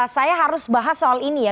saya harus bahas soal ini ya